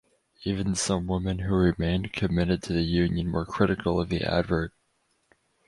Even some women who remained committed to the union were critical of the advert.